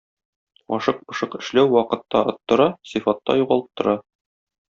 Ашык-пошык эшләү вакытта оттыра, сыйфатта югалттыра.